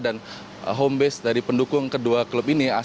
dan home base dari pendukung kedua klub ini